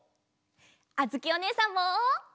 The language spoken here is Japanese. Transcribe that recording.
あづきおねえさんも！